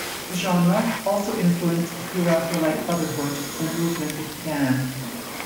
The genre also influenced the Pre-Raphaelite Brotherhood and the movement it began.